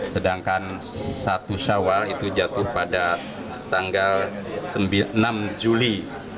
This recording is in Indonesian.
sedangkan satu syawal itu jatuh pada tanggal enam juli dua ribu enam belas